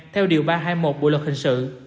theo điều ba trăm hai mươi một bộ luật hình sự